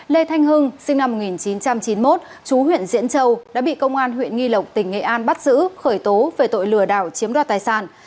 lê thanh hưng sinh năm một nghìn chín trăm chín mươi một chú huyện diễn châu đã bị công an huyện nghi lộc tỉnh nghệ an bắt giữ khởi tố về tội lừa đảo chiếm đoạt tài sản